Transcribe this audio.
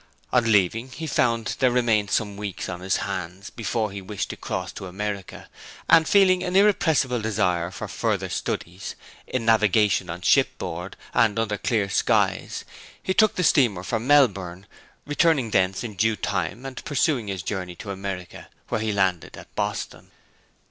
On leaving he found there remained some weeks on his hands before he wished to cross to America; and feeling an irrepressible desire for further studies in navigation on shipboard, and under clear skies, he took the steamer for Melbourne; returning thence in due time, and pursuing his journey to America, where he landed at Boston.